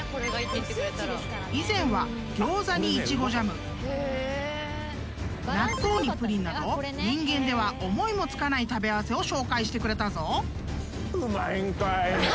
［以前はギョーザにいちごジャム納豆にプリンなど人間では思いも付かない食べ合わせを紹介してくれたぞ］